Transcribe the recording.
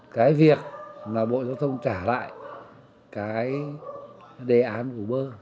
cái việc là bộ giao thông trả lại cái đề án của uber